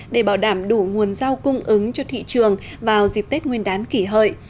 để bảo đảm đủ nguồn rau cung ứng cho thị trường vào dịp tết nguyên đán kỷ hợi